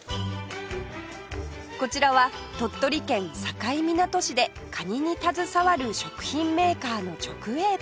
こちらは鳥取県境港市でカニに携わる食品メーカーの直営店